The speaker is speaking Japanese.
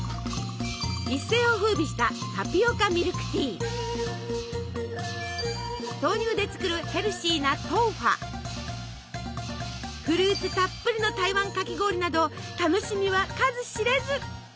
一世をふうびした豆乳で作るヘルシーなフルーツたっぷりの台湾かき氷など楽しみは数知れず。